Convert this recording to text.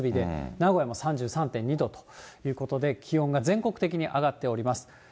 名古屋も３３．２度ということで、気温が全国的に上がっております。